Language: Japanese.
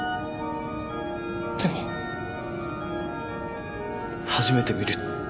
でも初めて見る人間！？